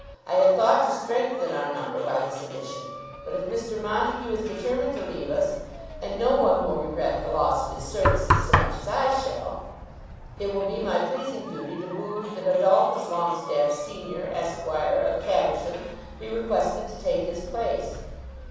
I had thought to strengthen our number by this addition. But if Mr. Montague is determined to leave us, and no one will regret the loss of his services so much as I shall, it will be my pleasing duty to move that Adolphus Longestaffe, senior, Esquire, of Caversham, be requested to take his place.